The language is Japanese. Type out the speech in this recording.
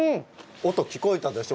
音聞こえたでしょ？